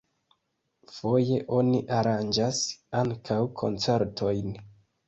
Foje oni aranĝas ankaŭ koncertojn.